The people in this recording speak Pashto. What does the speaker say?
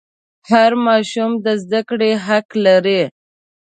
هر ماشوم د زده کړې حق لري.